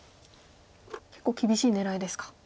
結構厳しい狙いですか。